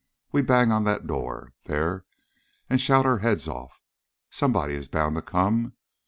We bang on that door, there, and shout our heads off. Somebody is bound to come.